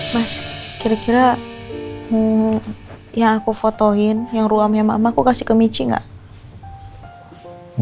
mas kira kira yang aku fotoin yang ruamnya mama aku kasih ke michi gak